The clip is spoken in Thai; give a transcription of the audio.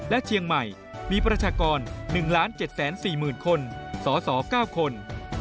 และเชียงใหม่มีประชากร๑๗๔๐๐๐คนสส๙คน